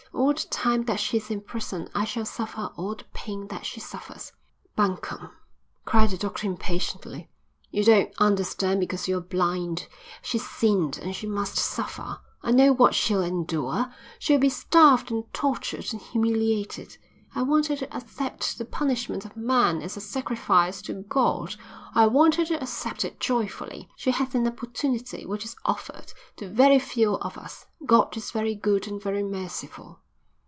All the time that she is in prison I shall suffer all the pain that she suffers." "Bunkum," cried the doctor impatiently. "You don't understand because you're blind. She's sinned, and she must suffer. I know what she'll endure. She'll be starved and tortured and humiliated. I want her to accept the punishment of man as a sacrifice to God. I want her to accept it joyfully. She has an opportunity which is offered to very few of us. God is very good and very merciful."